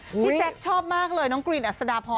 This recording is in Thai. พี่แจ๊คชอบมากเลยน้องกรีนอัศดาพร